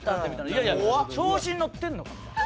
「いやいや調子にのってんのか」みたいな。